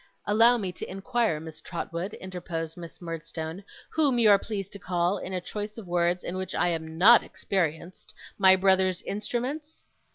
'Allow me to inquire, Miss Trotwood,' interposed Miss Murdstone, 'whom you are pleased to call, in a choice of words in which I am not experienced, my brother's instruments?